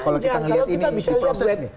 kalau kita lihat ini di proses ini